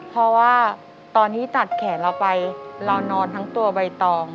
เพราะว่าตอนที่ตัดแขนเราไปเรานอนทั้งตัวใบตอง